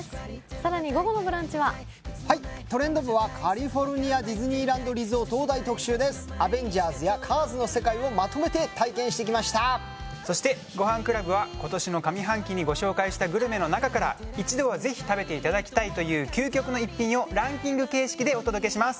さらに午後のブランチはトレンド部はカリフォルニアディズニーランド・リゾートを大特集です「アベンジャーズ」や「カーズ」の世界をまとめて体験してきましたそしてごはんクラブは今年の上半期にご紹介したグルメのなかから一度はぜひ食べていただきたいという究極の一品をランキング形式でお届けします